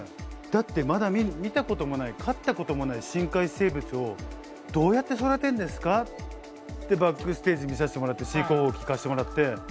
だってまだ見たこともない飼ったこともない深海生物をどうやって育てるんですかってバックステージ見させてもらって飼育方法を聞かせてもらって。